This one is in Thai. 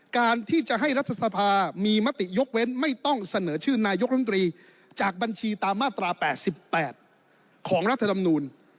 การที่จะให้รัฐสภามีมติยกเว้นไม่ต้องเสนอชื่อนายกรมตรีจากบัญชีตามมาตรา๘๘ของรัฐธรรมนูล